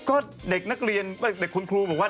ก็เด็กนักเรียนเด็กคุณครูบอกว่า